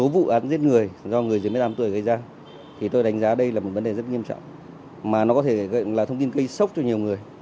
vậy thì tôi đánh giá đây là một vấn đề rất nghiêm trọng mà nó có thể gọi là thông tin cây sốc cho nhiều người